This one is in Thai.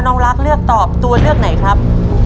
น้องรักเลือกตอบตัวเลือกไหนครับ